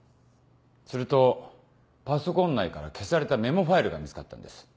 するとパソコン内から消されたメモファイルが見つかったんです。